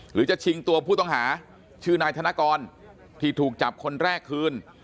หรือจะชิงตัวผู้ต้องหาชื่อนายธนกรที่ถูกจับคนแรกคืน